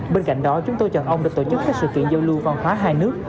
bên cạnh đó chúng tôi chọn ông đã tổ chức các sự kiện giao lưu văn hóa hai nước